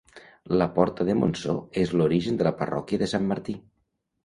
La porta de Montsó és l'origen de la Parròquia de Sant Martí.